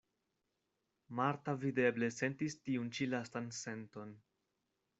Marta videble sentis tiun ĉi lastan senton.